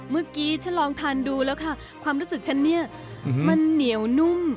เมื่อกี้ฉันลองทานดูแล้วค่ะความรู้สึกฉันเนี่ยมันเหนียวนุ่ม